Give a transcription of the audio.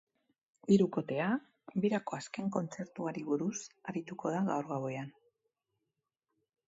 Hirukotea birako azken kontzertuari buruz arituko da gaur gauean.